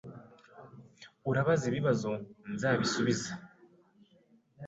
Urabaza ibibazo nzabisubiza